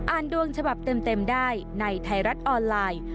ดวงฉบับเต็มได้ในไทยรัฐออนไลน์